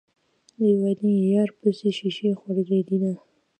ليونی يار پسې شيشې خوړلي دينه